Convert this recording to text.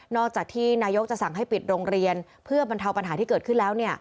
อกจากที่นายกจะสั่งให้ปิดโรงเรียนเพื่อบรรเทาปัญหาที่เกิดขึ้นแล้ว